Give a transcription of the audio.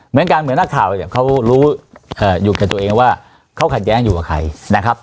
เหมือนนักข่าวเนี่ยเขารู้อยู่กับตัวเองว่าเขาขัดแย้งอยู่กับใครนะครับ